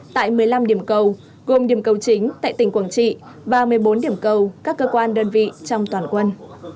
tại một mươi năm điểm cầu gồm điểm cầu chính tại tỉnh quảng trị và một mươi bốn điểm cầu các cơ quan đơn vị trong toàn quân